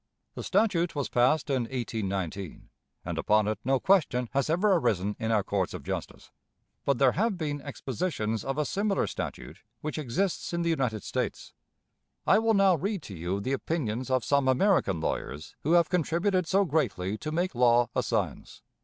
The statute was passed in 1819, and upon it no question has ever arisen in our courts of justice; but there have been expositions of a similar statute which exists in the United States. I will now read to you the opinions of some American lawyers who have contributed so greatly to make law a science.